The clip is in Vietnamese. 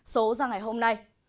số ra ngày hôm nay